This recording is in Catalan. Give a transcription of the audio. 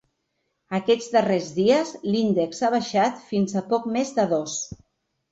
Aquests darrers dies, l’índex ha baixat fins a poc més de dos.